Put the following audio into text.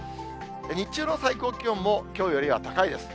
日中の最高気温もきょうよりは高いです。